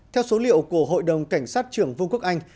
theo số liệu của hội đồng cảnh sát trưởng vương quốc anh